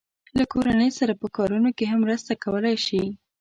له کورنۍ سره په کارونو کې هم مرسته کولای شي.